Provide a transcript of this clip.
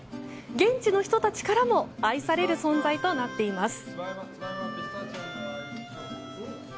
現地の人たちからも愛される存在となっています。